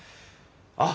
あっ！